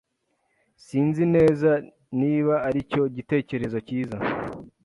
Sinzi neza niba aricyo gitekerezo cyiza.